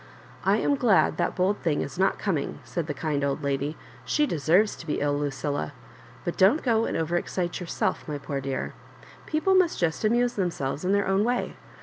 I am so glad that bold thing is not coming," said the kind old lady ; "she deserves to b^ ill, Lucilla. But don't go and over excite yourself, my poor dear. People must just amuse them selves in their own way.